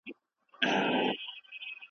زما غمونه د زړګي ورانوي